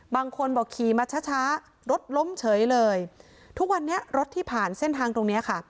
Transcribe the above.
บางคนบอกขี่มาช้าช้ารถล้มเฉยเลยทุกวันนี้รถที่ผ่านเส้นทางตรงเนี้ยค่ะ